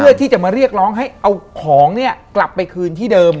เพื่อที่จะมาเรียกร้องให้เอาของเนี่ยกลับไปคืนที่เดิม